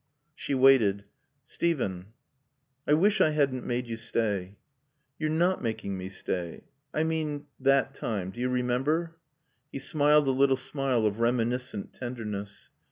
She waited. "Steven "I wish I hadn't made you stay." "You're not making me stay." "I mean that time. Do you remember?" He smiled a little smile of reminiscent tenderness.